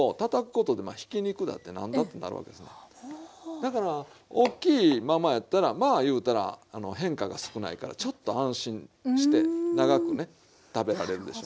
だからおっきいままやったらまあいうたら変化が少ないからちょっと安心して長くね食べられるでしょ。